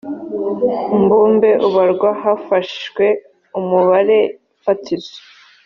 mbumbe ubarwa hafashwe umubare fatizo